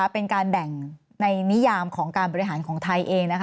เป็นการแบ่งในนิยามของการบริหารของไทยเอง